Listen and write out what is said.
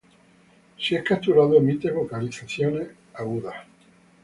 Si es capturado emite vocalizaciones agudas.